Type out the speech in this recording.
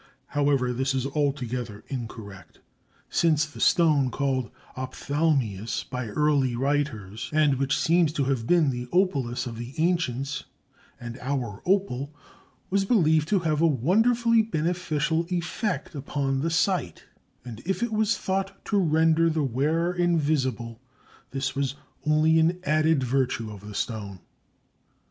However, this is altogether incorrect, since the stone called ophthalmius by early writers, and which seems to have been the opalus of the ancients and our opal, was believed to have a wonderfully beneficial effect upon the sight, and if it was thought to render the wearer invisible, this was only an added virtue of the stone.